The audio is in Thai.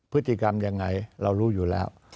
พฤติกรรมยังไงเรารู้อยู่แล้ว